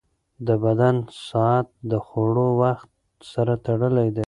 د بدن ساعت د خوړو وخت سره تړلی دی.